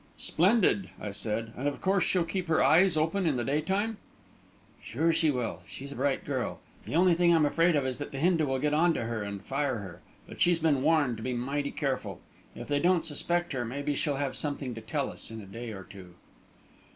"Splendid!" I said. "And of course she'll keep her eyes open in the daytime." "Sure she will. She's a bright girl. The only thing I'm afraid of is that the Hindu will get on to her and fire her. But she's been warned to be mighty careful. If they don't suspect her, maybe she'll have something to tell us, in a day or two."